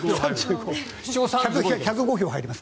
１０５票入ります。